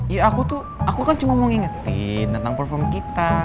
ya aku tuh aku kan cuma mau ngingetin tentang perform kita